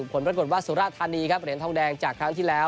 ผลปรากฏว่าสุราธานีครับเหรียญทองแดงจากครั้งที่แล้ว